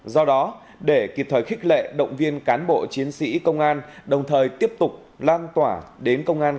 do đó để kịp thời khích lệ động viên cán bộ chiến sĩ công an đồng thời tiếp tục lan tỏa đến công an